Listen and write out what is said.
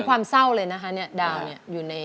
กระแซะเข้ามาสิ